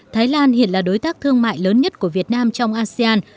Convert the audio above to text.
thái lan hiện là đối tác thương mại lớn nhất của việt nam trong asean